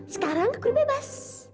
sekarang aku udah bebas